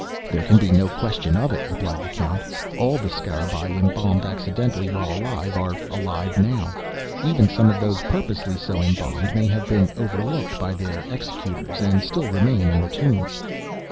"There can be no question of it," replied the Count; "all the Scarabaei embalmed accidentally while alive, are alive now. Even some of those purposely so embalmed, may have been overlooked by their executors, and still remain in the tomb."